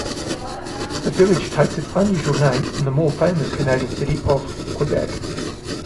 The village takes its unusual name from the more famous Canadian city of Quebec.